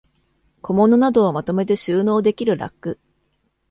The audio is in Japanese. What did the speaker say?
小物などをまとめて収納できるラック